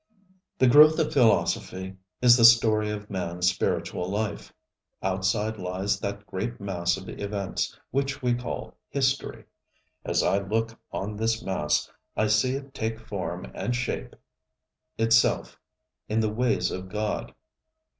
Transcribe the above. The growth of philosophy is the story of manŌĆÖs spiritual life. Outside lies that great mass of events which we call History. As I look on this mass, I see it take form and shape itself in the ways of God.